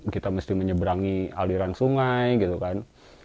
kita mesti menyeberangi aliran sungai gitu kan